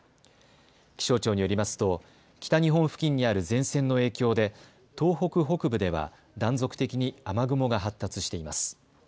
気象庁によりますと北日本付近にある前線の影響で東北北部では断続的に雨雲が発達しています。